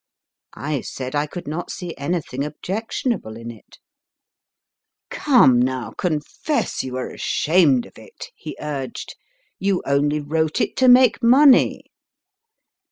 I said I could not see anything objectionable in it. /. ZANGWILL 171 Come now, confess you are ashamed of it, he urged. 4 You only wrote it to make money.